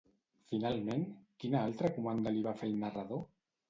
Finalment, quina altra comanda li va fer el narrador?